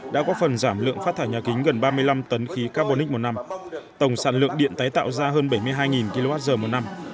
đã có phần giảm lượng phát thải nhà kính gần ba mươi năm tấn khí carbonic một năm tổng sản lượng điện tái tạo ra hơn bảy mươi hai kwh một năm